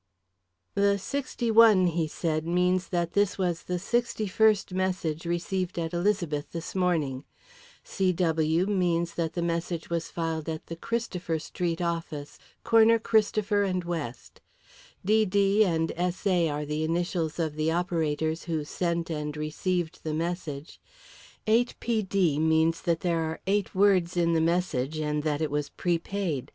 "The sixty one," he said, "means that this was the sixty first message received at Elizabeth this morning; 'CW' means that the message was filed at the Christopher Street office corner Christopher and West; 'DD' and 'SA' are the initials of the operators who sent and received the message; '8PD' means that there are eight words in the message and that it was prepaid.